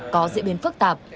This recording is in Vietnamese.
có diễn biến phức tạp